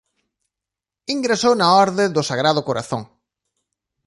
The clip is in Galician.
Ingresou na orde do Sagrado Corazón.